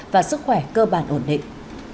và sức khỏe cơ bản ổn định